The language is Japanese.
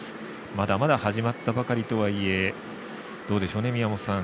まだまだ始まったばかりとはいえどうでしょうね、宮本さん